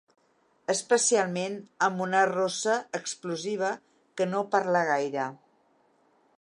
Especialment amb una rossa explosiva que no parla gaire.